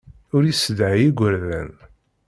Ur yessedhay igerdan.